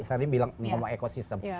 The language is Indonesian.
saya tadi bilang ini ekosistem